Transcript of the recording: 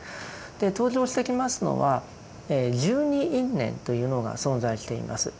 登場してきますのは「十二因縁」というのが存在しています。